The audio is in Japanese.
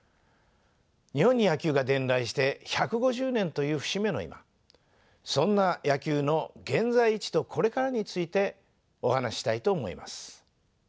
日本に野球が伝来して１５０年という節目の今そんな野球の現在位置とこれからについてお話ししたいと思います。